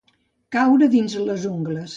Caure dins les ungles.